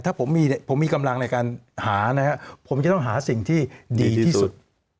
ถ้าผมมีกำลังในการหานะครับผมจะต้องหาสิ่งที่ดีที่สุด